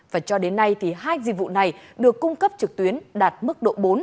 và cho đến nay thì hai dịch vụ này được cung cấp trực tuyến đạt mức độ bốn